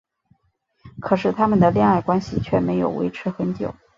可是他们的恋爱关系却没有维持很久。